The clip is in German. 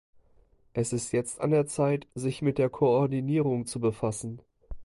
Es ist jetzt an der Zeit, sich mit der Koordinierung zu befassen.